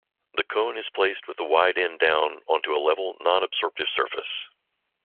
The cone is placed with the wide end down onto a level, non-absorptive surface.